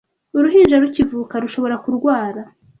Uruhinja rukivuka rushobora kurwara.